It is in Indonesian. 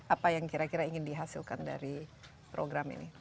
apa yang kira kira ingin dihasilkan dari program ini